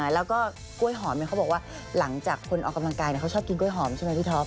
แล้วก็กล้วยหอมเขาบอกว่าหลังจากคนออกกำลังกายเขาชอบกินกล้วยหอมใช่ไหมพี่ท็อป